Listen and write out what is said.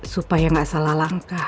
supaya gak salah langkah